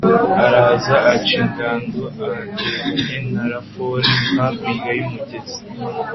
araza aca ingando ahateganye na rafoni hakurya y'umugezi